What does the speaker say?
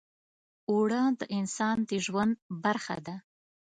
اوړه د انسان د ژوند برخه ده